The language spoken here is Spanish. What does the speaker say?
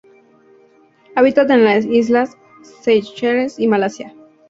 Habita en las islas Seychelles y Malasia.